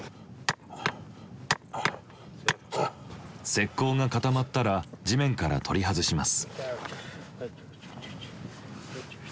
石こうが固まったら地面から取り外します。